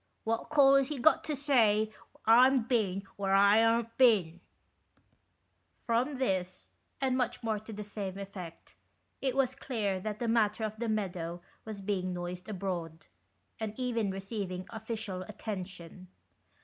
What call Is he got to say I'm bin where I aren't bin ?" From this, and much more to the same effect, it was clear that the matter of the meadow was being noised abroad, and even receiving official attention.